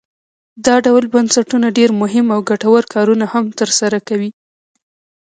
دا ډول بنسټونه ډیر مهم او ګټور کارونه هم تر سره کوي.